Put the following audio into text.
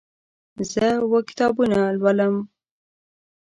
زه اوه کتابونه لولم.